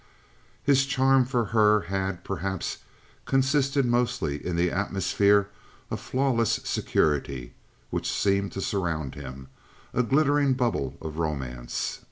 His charm for her had, perhaps, consisted mostly in the atmosphere of flawless security, which seemed to surround him—a glittering bubble of romance.